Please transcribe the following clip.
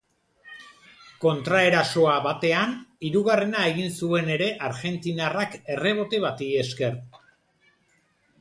Kontraerasoa batean hirugarrena egin zuen ere argentinarrak errebote bati esker.